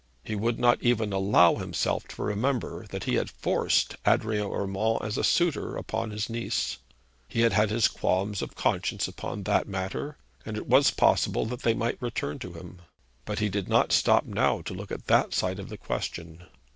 He would not even allow himself to remember that he had forced Adrian Urmand as a suitor upon his niece. He had had his qualms of conscience upon that matter, and it was possible that they might return to him. But he would not stop now to look at that side of the question.